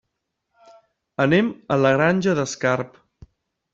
Anem a la Granja d'Escarp.